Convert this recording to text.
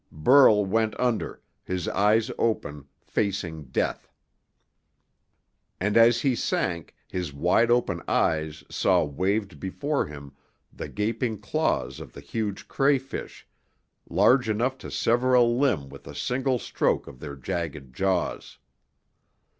Burl went under, his eyes open, facing death. And as he sank, his wide open eyes saw waved before him the gaping claws of the huge crayfish, large enough to sever a limb with a single stroke of their jagged jaws.